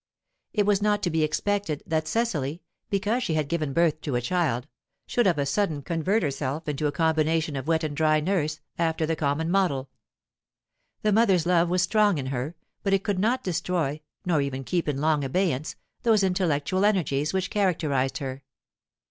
It was not to be expected that Cecily, because she had given birth to a child, should of a sudden convert herself into a combination of wet and dry nurse, after the common model. The mother's love was strong in her, but it could not destroy, nor even keep in long abeyance, those intellectual energies which characterized her.